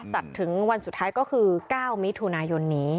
จัดถึงวันสุดท้ายก็คือ๙มิถุนายนนี้